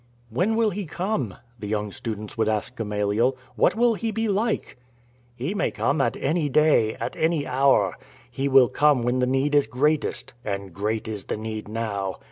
"When will he come?" the young students would ask Gamaliel. " What will he be like ?"" He may come at any day, at any hour. He will come when the need is greatest — and great is the need now.